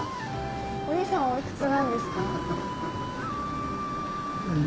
お兄さんはお幾つなんですか？